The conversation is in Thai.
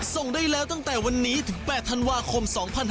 ส่งได้แล้วตั้งแต่วันนี้ถึง๘ธันวาคม๒๕๕๙